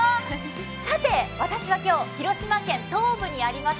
さて、私は今日、広島県東部にあります